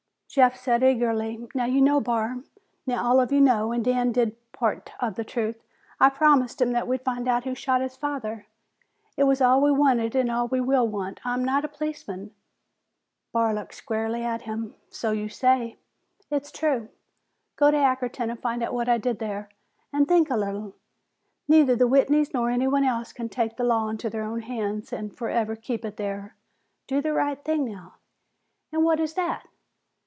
Jeff said eagerly, "Now you know, Barr. Now all of you know, and Dan did tell part of the truth. I promised him that we'd find out who shot his father. It was all we wanted and all we will want. I am not a policeman." Barr looked squarely at him. "So you say." "It's true. Go to Ackerton and find out what I did there. And think a little. Neither the Whitneys nor anyone else can take the law into their own hands and forever keep it there. Do the right thing now." "An' what is that?"